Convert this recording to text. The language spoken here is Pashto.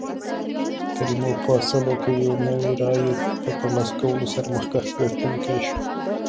کریموف په سلو کې یو نوي رایې په ترلاسه کولو سره مخکښ ګټونکی شو.